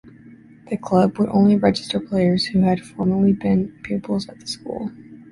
The club would only register players who had formerly been pupils at the school.